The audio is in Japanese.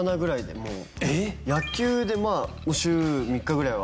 野球でもう週３日ぐらいは。